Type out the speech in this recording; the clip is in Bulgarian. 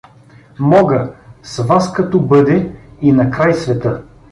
Мога, с вас като бъде, и накрай света.